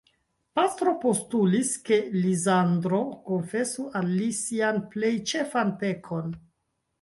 Pastro postulis, ke Lizandro konfesu al li sian plej ĉefan pekon.